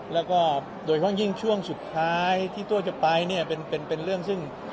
แล้วก็โดยเฉพาะยิ่งช่วงสุดท้ายที่ตัวจะไปเนี่ยเป็นเรื่องซึ่ง